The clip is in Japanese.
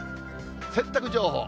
洗濯情報。